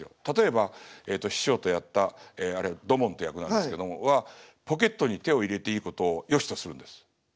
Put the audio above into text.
例えば師匠とやったあれ土門って役なんですけどもはポケットに手を入れていいことをよしとするんです。